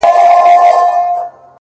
• شپه په ورو ورو پخېدلای,